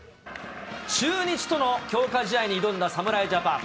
中日との強化試合に挑んだ、侍ジャパン。